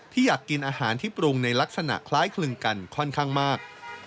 อยากกินอาหารที่ปรุงในลักษณะคล้ายคลึงกันค่อนข้างมาก